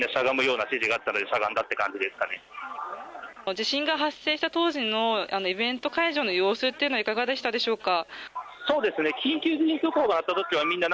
地震が発生した当時のイベント会場の様子はいかがでしたでしょうか。